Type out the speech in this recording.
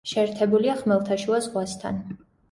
შეერთებულია ხმელთაშუა ზღვასთან.